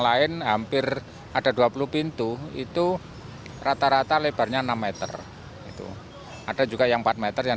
lain hampir ada dua puluh pintu itu rata rata lebarnya enam meter itu ada juga yang empat meter yang